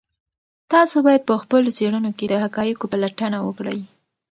تاسو باید په خپلو څېړنو کې د حقایقو پلټنه وکړئ.